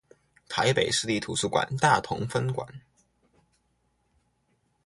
臺北市立圖書館大同分館